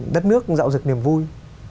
đất nước cũng dạo dực niềm vui